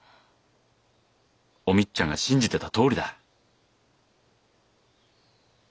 お美津ちゃんが信じてたとおりだ。